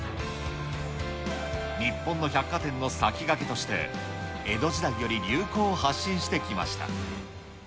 日本の百貨店の先駆けとして、江戸時代より流行を発信してきました。